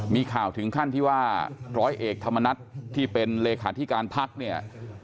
มีข่าวถึงขั้นที่ว่าร้อยเอกธรรมนัฏที่เป็นเลขาธิการพักเนี่ย